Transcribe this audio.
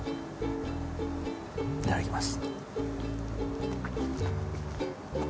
いただきます。